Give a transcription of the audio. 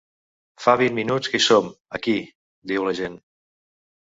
Fa vint minuts que hi som, aquí, diu l’agent.